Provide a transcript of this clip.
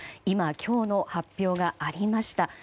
今、今日の発表がありました。